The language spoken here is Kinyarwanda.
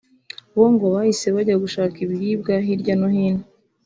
bo ngo bahise bajya gushaka ibiribwa hirya no hino